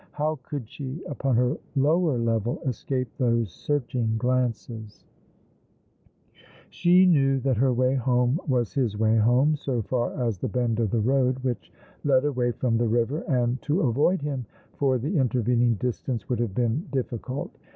How could she, upon her lower level, escape those searching glances ? She knew that her way home was his way home, so far as the bend of the road which led away from the river ; and to avoid him for the intervening distance would have been difiicult.